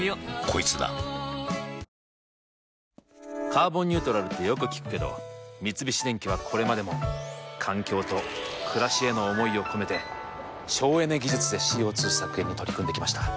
コイツだ「カーボンニュートラル」ってよく聞くけど三菱電機はこれまでも環境と暮らしへの思いを込めて省エネ技術でＣＯ２削減に取り組んできました。